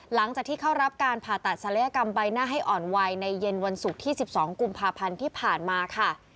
หลังจากที่เข้ารับการผ่าตัดศัลยกรรมใบหน้าให้อ่อนไวในเย็นวันศุกร์ที่๑๒กุมภาพันธ์ที่ผ่านมาค่ะ